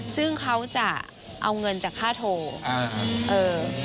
ซึ่งเขาจะเอาเงินจากค่าโทรอ่าเออ